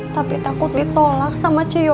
tapi takut ditolak sama ce yoyo